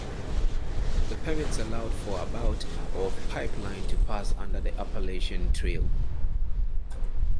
The permits allowed for about of pipeline to pass under the Appalachian Trail.